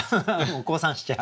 降参しちゃう？